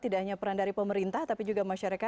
tidak hanya peran dari pemerintah tapi juga masyarakat